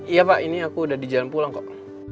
iya pak ini aku udah di jalan pulang kok